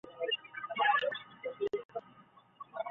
除了选举还是选举